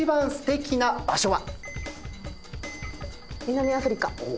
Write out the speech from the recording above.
南アフリカ。